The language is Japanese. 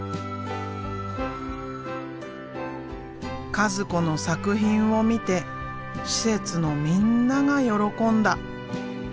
和子の作品を見て施設のみんなが喜んだ。